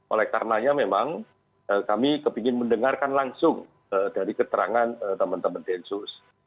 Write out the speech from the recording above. oleh karenanya memang kami ingin mendengarkan langsung dari keterangan teman teman densus